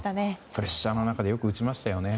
プレッシャーの中でよく打ちましたよね。